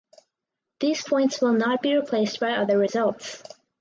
These points will not be replaced by other results.